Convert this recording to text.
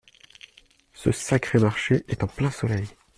Ce sacré marché est en plein soleil…